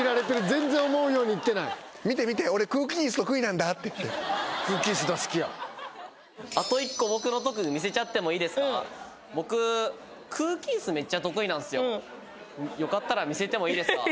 全然思うようにいってないって言って空気イス出す気やあと１個僕の特技見せちゃってもいいですか僕空気イスめっちゃ得意なんすよよかったら見せてもいいですか？